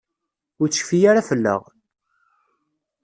Ur tecfi ara fell-aɣ.